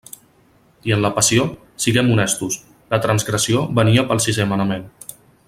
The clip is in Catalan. I en la passió, siguem honestos, la transgressió venia pel sisé manament.